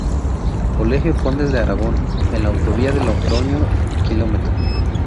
Colegio Condes de Aragón en la Autovía de Logroño, km.